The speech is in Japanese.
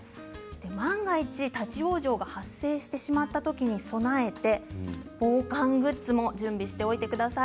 万が一、立往生が発生してしまったときに備えて防寒グッズも準備しておいてください。